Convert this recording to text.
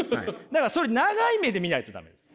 だからそれ長い目で見ないと駄目です。